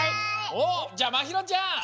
おっじゃあまひろちゃん。